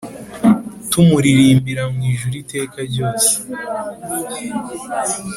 tumuririmbira mu ijuru iteka ryose.